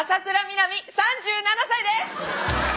南３７歳です。